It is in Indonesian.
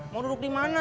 mau duduk dimana